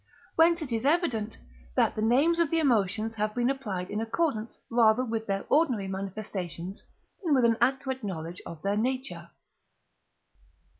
Whence it is evident, that the names of the emotions have been applied in accordance rather with their ordinary manifestations than with an accurate knowledge of their nature.